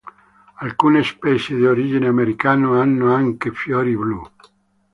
Alcune specie di origine americana hanno anche fiori blu.